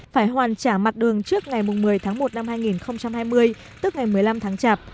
phải hoàn trả mặt đường trước ngày một mươi tháng một năm hai nghìn hai mươi tức ngày một mươi năm tháng chạp